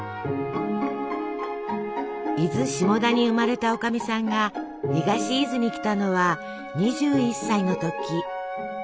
伊豆下田に生まれたおかみさんが東伊豆に来たのは２１歳の時。